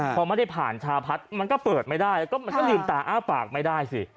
พอไม่ได้ผ่านชาพัฒน์มันก็เปิดไม่ได้แล้วก็มันก็ลืมตาอ้าปากไม่ได้สิ